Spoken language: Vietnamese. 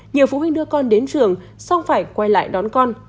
nhiều phụ huynh đưa con đến trường xong phải quay lại đón con